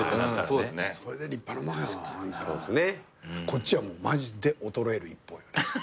こっちはマジで衰える一方。